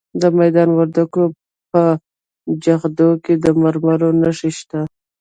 د میدان وردګو په جغتو کې د مرمرو نښې شته.